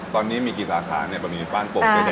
ตอนนี้มีกี่สาขาเนี่ยบะหมี่ฟ่านโป่ง